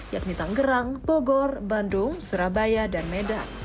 yakni tanggerang bogor bandung surabaya dan medan